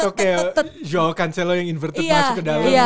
atau kayak joe cancelo yang inverted masuk ke dalam gitu ya